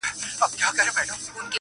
هم یې خزان هم یې بهار ښکلی دی!